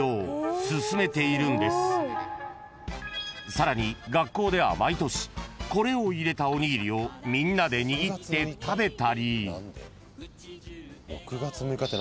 ［さらに学校では毎年これを入れたおにぎりをみんなでにぎって食べたり］